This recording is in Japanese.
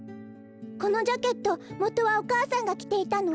このジャケットもとはお母さんがきていたの？